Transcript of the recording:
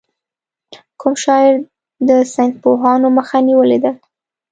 کوم شاعر د ساینسپوهانو مخه نېولې ده.